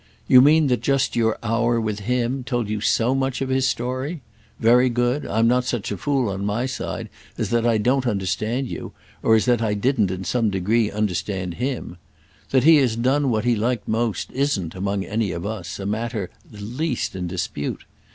"You mean that just your hour with him told you so much of his story? Very good; I'm not such a fool, on my side, as that I don't understand you, or as that I didn't in some degree understand him. That he has done what he liked most isn't, among any of us, a matter the least in dispute.